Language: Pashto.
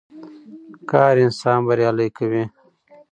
کار انسان بريالی کوي.